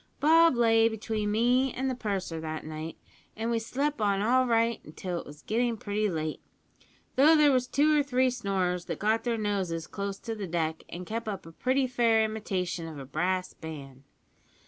Bob lay between me an' the purser that night, an' we slep' on all right till it was getting pretty late, though there was two or three snorers that got their noses close to the deck an' kep' up a pretty fair imitation of a brass band.